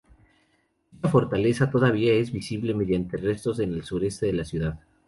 Dicha fortaleza todavía es visible mediante restos en el sureste de la ciudad.